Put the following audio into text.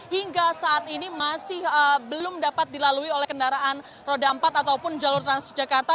empat belas tiga puluh hingga saat ini masih belum dapat dilalui oleh kendaraan roda empat ataupun jalur trans jakarta